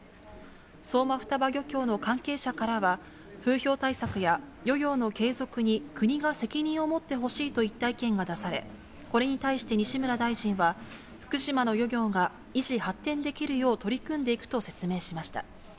相馬双葉漁協の関係者からは、風評対策や、漁業の継続に国が責任を持ってほしいといった意見が出され、これに対して西村大臣は、福島の漁業が維持発展できるよう取り組んでいくと説明しました。